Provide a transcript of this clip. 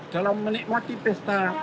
dalam menikmati pesta demokratik